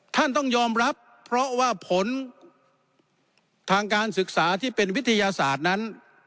ท่านต้องยอมรับเพราะว่าผลทางการศึกษาที่เป็นวิทยาศาสตร์นั้น